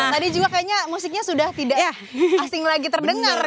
tadi juga kayaknya musiknya sudah tidak ya asing lagi terdengar